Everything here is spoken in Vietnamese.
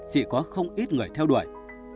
chỉ có không ít người theo đuổi